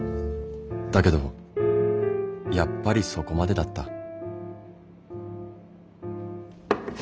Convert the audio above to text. だけどやっぱりそこまでだった。